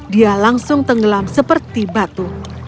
dia langsung tenggelam seperti batu